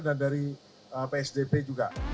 dan psdb juga